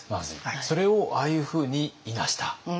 それをああいうふうにいなした。